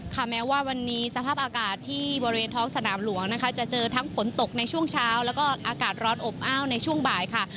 แม้ว่าวันนี้สภาพอากาศที่บริเวณท้องสนามหลวงนะคะจะเจอทั้งฝนตกในช่วงเช้าแล้วก็อากาศร้อนอบอ้าวในช่วงบ่ายค่ะ